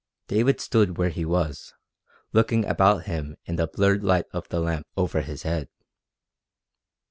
David stood where he was, looking about him in the blurred light of the lamp over his head.